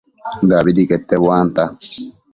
dabidi quete buanta